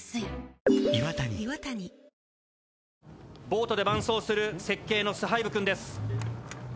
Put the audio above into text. ボートで伴走する設計のスハイブくんです。